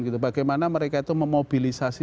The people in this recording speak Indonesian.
gitu bagaimana mereka itu memobilisasi